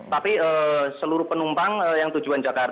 tapi seluruh penumpang yang tujuan jakarta